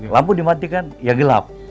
lampu dimatikan ya gelap